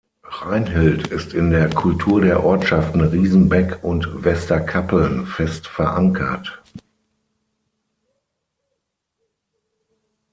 Reinhild ist in der Kultur der Ortschaften Riesenbeck und Westerkappeln fest verankert.